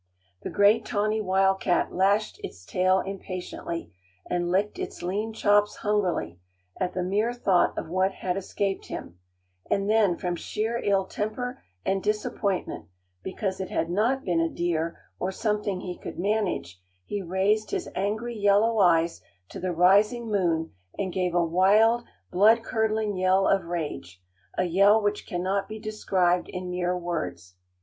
The great tawny wildcat lashed its tail impatiently, and licked its lean chops hungrily, at the mere thought of what had escaped him; and then from sheer ill temper and disappointment, because it had not been a deer, or something he could manage, he raised his angry, yellow eyes to the rising moon and gave a wild, blood curdling yell of rage, a yell which cannot be described in mere words.